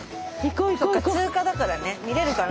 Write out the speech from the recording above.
通過だからね見れるかな？